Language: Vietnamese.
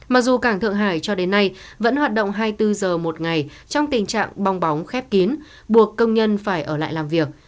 mặc dù cảng thượng hải cho đến nay vẫn hoạt động hai mươi bốn giờ một ngày trong tình trạng bong bóng khép kín buộc công nhân phải ở lại làm việc